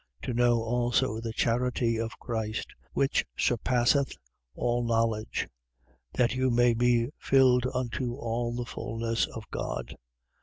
To know also the charity of Christ, which surpasseth all knowledge: that you may be filled unto all the fulness of God.